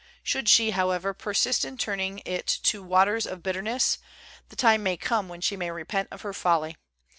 Should she, however, persist in turning it to waters of bitter ness, the time may come when she may repent of her folly.